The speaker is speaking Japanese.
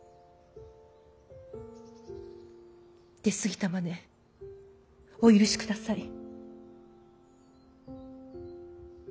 出過ぎたまねお許しください。